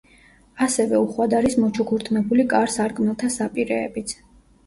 ასევე უხვად არის მოჩუქურთმებული კარ-სარკმელთა საპირეებიც.